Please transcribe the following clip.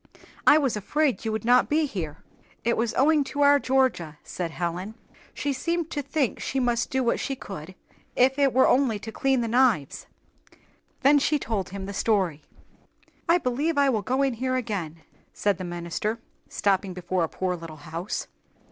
"I was afraid you would not be here." "It was owing to our Georgia," said Helen. "She seemed to think she must do what she could, if it were only to clean the knives." Then she told him the story. "I believe I will go in here again," said the minister, stopping before a poor little house.